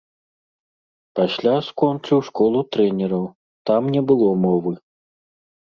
Пасля скончыў школу трэнераў, там не было мовы.